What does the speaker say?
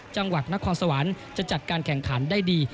จังหวัดนครสวรรค์จะจัดการแข่งขันได้ดี